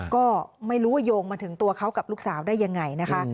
ก็ไม่รู้โยงมาถึงตัวครับคือลูกสาวได้ยังไงนะคะ